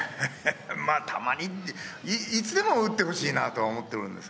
まぁ、たまにって、いつでも打ってほしいなとは思ってるんです。